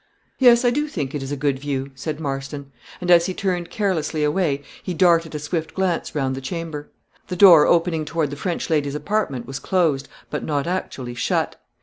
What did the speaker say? "Yes, I do think it is a good view," said Marston; and as he turned carelessly away, he darted a swift glance round the chamber. The door opening toward the French lady's apartment was closed, but not actually shut.